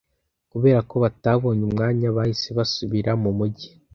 Kubera ko batabonye umwanya, bahise basubira mu mujyi.